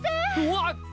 うわっ！